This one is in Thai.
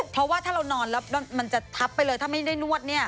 เพราะว่าถ้าเรานอนแล้วมันจะทับไปเลยถ้าไม่ได้นวดเนี่ย